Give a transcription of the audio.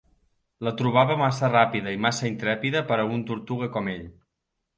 La trobava massa ràpida i massa intrèpida per a un tortuga com ell.